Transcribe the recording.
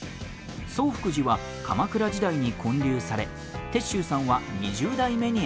崇福寺は鎌倉時代に建立され哲宗さんは２０代目にあたる。